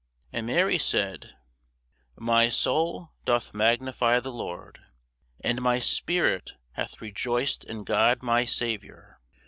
And Mary said, My soul doth magnify the Lord, And my spirit hath rejoiced in God my Saviour.